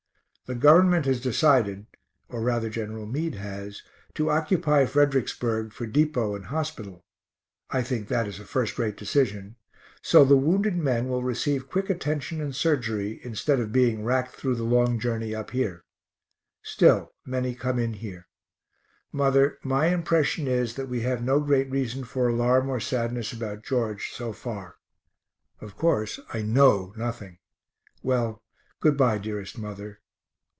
The Gov't has decided, (or rather Gen. Meade has) to occupy Fredericksburg for depot and hospital (I think that is a first rate decision) so the wounded men will receive quick attention and surgery, instead of being racked through the long journey up here. Still, many come in here. Mother, my impression is that we have no great reason for alarm or sadness about George so far. Of course I know nothing. Well, good bye, dearest mother.